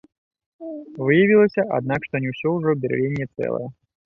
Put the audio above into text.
Выявілася, аднак, што не ўсё ўжо бярвенне цэлае.